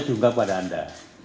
dihunggah pada anda